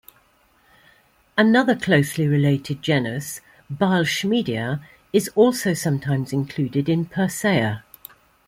Another closely related genus, "Beilschmiedia", is also sometimes included in "Persea".